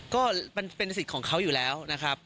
ก็มันเป็นสิทธิ์ของเขาอยู่แล้วนะครับ